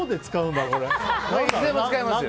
いつでも使えますよ。